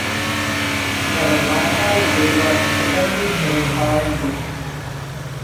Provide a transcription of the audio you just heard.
যেমন- Marshall, Gilbert, Society, এবং Hawaiian দ্বীপ।